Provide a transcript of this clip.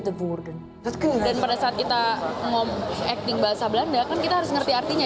dan pada saat kita mengakui bahasa belanda kita harus mengerti artinya